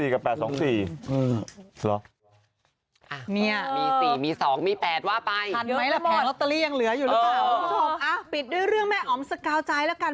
คุณผู้ชมปิดด้วยเรื่องแมวออมสกาวใจละกัน